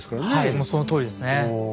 もうそのとおりですね。